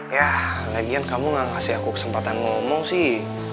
yah lagian kamu gak ngasih aku kesempatan ngomong sih